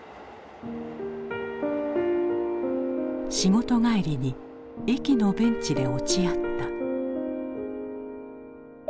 仕事帰りに駅のベンチで落ち合った。